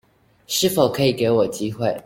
是否可以給我機會